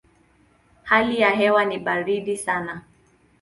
Hali ya hewa ni baridi sana.